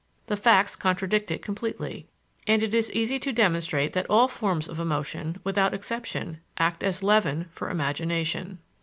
The facts contradict it completely, and it is easy to demonstrate that all forms of emotion, without exception, act as leaven for imagination.